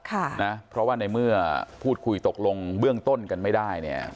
ค่ะนะเพราะว่าในเมื่อพูดคุยตกลงเบื้องต้นกันไม่ได้เนี่ย